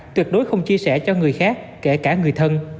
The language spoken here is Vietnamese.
tuyệt đối không chia sẻ cho người khác kể cả người thân